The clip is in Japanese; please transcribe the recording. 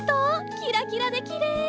キラキラできれい！